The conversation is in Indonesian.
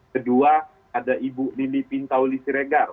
kedua ada ibu lili pintauli siregar